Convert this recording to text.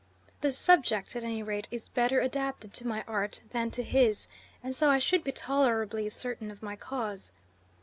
The subject, at any rate, is better adapted to my art than to his, and so I should be tolerably certain of my cause.